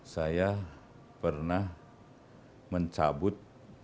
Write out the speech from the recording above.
saya pernah mencabut